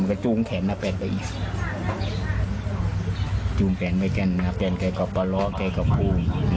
มันก็จุ้มแขนนาเป็นไปอีกจุ้มแขนไว้กันนาเป็นใกล้กับปลอร่อใกล้กับภูมิ